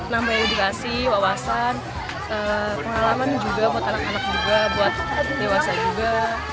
nambah edukasi wawasan pengalaman juga buat anak anak juga buat dewasa juga